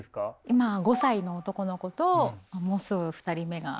今５歳の男の子ともうすぐ２人目が。